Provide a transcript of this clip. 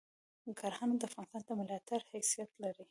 کرهنه د افغانستان د ملاتیر حیثیت لری